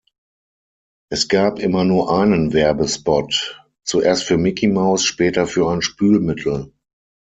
Es gab immer nur einen Werbespot, zuerst für Mickey Mouse, später für ein Spülmittel.